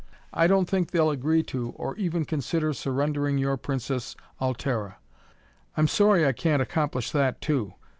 I don't think they'll agree to or even consider surrendering Your Princess, Altara. I'm sorry I can't accomplish that, too.